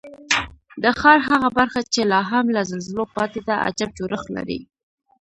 د ښار هغه برخه چې لا هم له زلزلو پاتې ده، عجیب جوړښت لري.